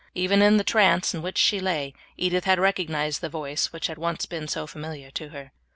Even in the trance in which she lay, Edith had recognized the voice which had once been so familiar to her.